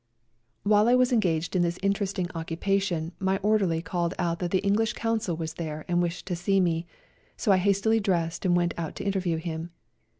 While I was engaged in this interesting A COLD NIGHT RIDE 81 occupation my orderly called out that the English Consul was there and wished to see me, so I hastily dressed and went out to interview him.